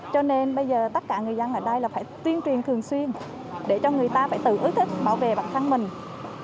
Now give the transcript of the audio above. cho nên bây giờ tất cả người dân ở đây là phải tuyên truyền thường xuyên để cho người ta phải tự ý thức bảo vệ bản thân mình